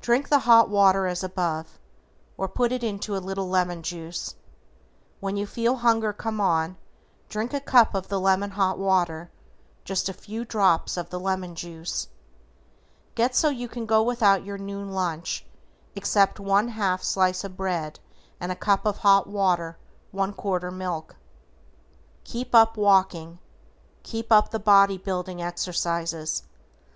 Drink the hot water as above, or put into it a little lemon juice. When you feel hunger come on drink a cup of the lemon hot water, just a few drops of the lemon juice. Get so you can go without your noon lunch except one half slice of bread and a cup of hot water one quarter milk. KEEP UP WALKING. KEEP UP THE BODY BUILDING EXERCISES.